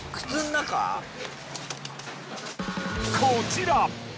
こちら。